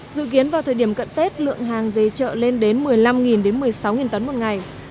dự kiến vào thời điểm cận tết lượng hàng về chợ lên đến một mươi năm một mươi sáu tấn một ngày